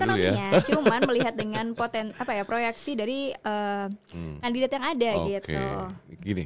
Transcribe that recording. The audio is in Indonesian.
cuma melihat dengan proyeksi dari kandidat yang ada gitu